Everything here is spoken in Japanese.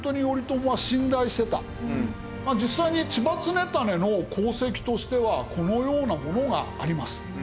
実際に千葉常胤の功績としてはこのようなものがあります。